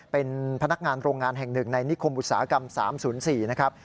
เป็นพนักงานโรงงานแห่งหนึ่งในนิคมอุตสาหกรรม๓๐๔นะครับ